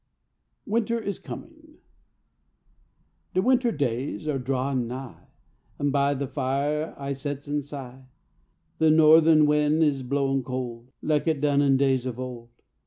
WINTER IS COMING De winter days are drawin' nigh An' by the fire I sets an' sigh; De nothe'n win' is blowin' cold, Like it done in days of old.